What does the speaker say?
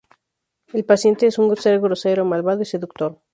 El paciente es un ser grosero, malvado y seductor.